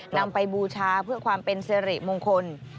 นำไปบูชาเพื่อความเป็นสิริมงคล